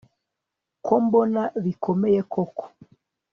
ko mbona bikomeye koko